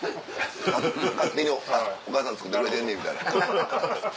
勝手に「お母さん作ってくれてんねん」みたいな。